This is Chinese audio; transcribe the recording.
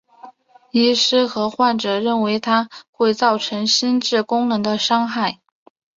医师和患者认为它会造成心智功能的伤害。